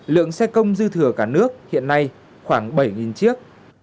lượng xe công dư thừa cả nước hiện nay khoảng bảy chiếc